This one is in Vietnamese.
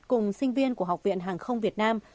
cùng sinh viên của học viện hàng không việt nam